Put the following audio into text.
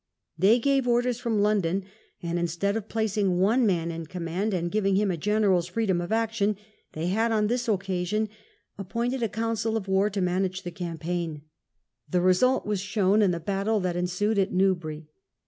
They gave orders from London, and instead of placing one man in command and giving him a general's freedom of action, they had on this occasion appointed a council of war to manage the campaign. The result was shown in the battle that ensued at Newbury.